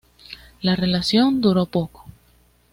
La relación duró poco.